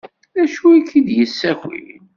D acu ay k-id-yessakin?